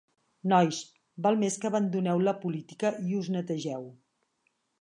Nois, val més que abandoneu la política i us netegeu.